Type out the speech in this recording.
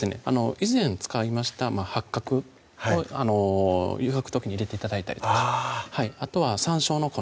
以前使いました八角を湯がく時に入れて頂いたりとかあぁあとはさんしょうの粉